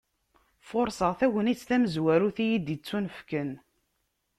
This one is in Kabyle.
Furseɣ tagnit tamezwarut iyi-d-yettunefken.